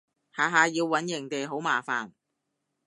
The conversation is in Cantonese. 下下要搵營地好麻煩